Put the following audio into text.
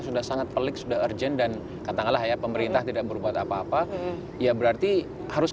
sudah sangat pelik sudah urgent dan katakanlah ya pemerintah tidak berbuat apa apa ya berarti harus